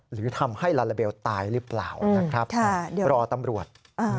หรือทำให้ลาลาเบลตายหรือเปล่ารอตำรวจ